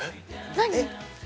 何？